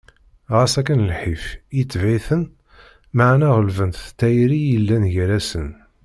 Ɣas akken lḥif, yetbeε-iten, meɛna γelben-t s tayri i yellan gar-asen.